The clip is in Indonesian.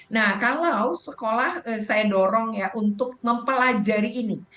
nah kalau sekolah saya dorong ya untuk mempelajari ini